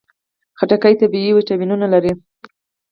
خټکی طبیعي ویټامینونه لري.